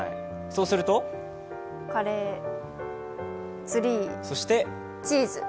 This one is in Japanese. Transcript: そうするとカレー、ツリー、チーズ？